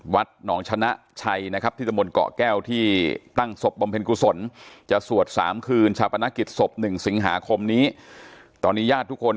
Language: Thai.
วัดหนองชนะชัยนะครับที่ตะมนต์เกาะแก้วที่ตั้งศพบำเพ็ญกุศล